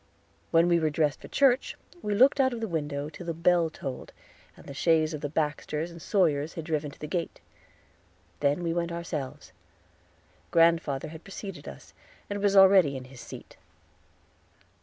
When we were dressed for church, we looked out of the window till the bell tolled, and the chaise of the Baxters and Sawyers had driven to the gate; then we went ourselves. Grand'ther had preceded us, and was already in his seat.